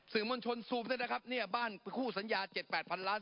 สื่อมวลชนซูบนะครับเนี่ยบ้านคู่สัญญา๗๘พันล้าน